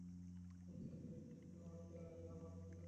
নিশ্চয় তিনি সৃষ্টির মধ্যে আমার প্রিয়তম।